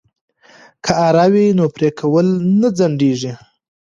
که اره وي نو پرې کول نه ځنډیږي.